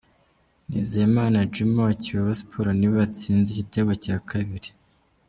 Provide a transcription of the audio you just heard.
Nizeyimana Djuma wa Kiyovu Sport ni we watsinze igitego cya kabiri.